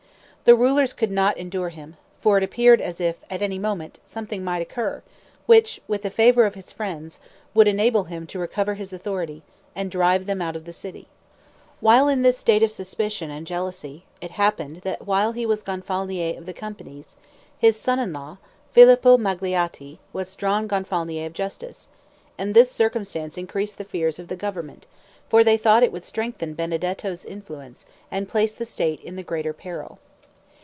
The rulers could not endure him, for it appeared as if, at any moment, something might occur, which, with the favor of his friends, would enable him to recover his authority, and drive them out of the city. While in this state of suspicion and jealousy, it happened that while he was Gonfalonier of the Companies, his son in law, Filippo Magalotti, was drawn Gonfalonier of Justice; and this circumstance increased the fears of the government, for they thought it would strengthen Benedetto's influence, and place the state in the greater peril.